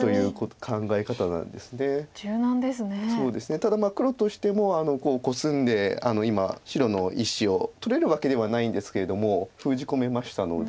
ただ黒としてもコスんで今白の１子を取れるわけではないんですけれども封じ込めましたので。